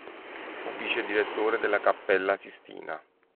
Fu vicedirettore della Cappella Sistina.